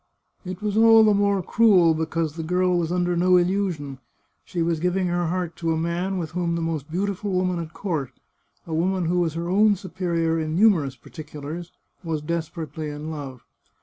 It was all the more cruel because the girl was under no illusion; she was giving her heart to a man with whom the most beautiful woman at court, a woman who was her own superior in numerous particulars, was desperately in love.